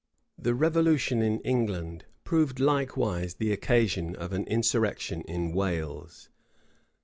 The revolution in England proved likewise the occasion of an insurrection in Wales.